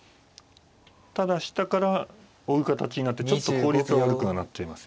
ただ下から追う形になってちょっと効率悪くはなっちゃいます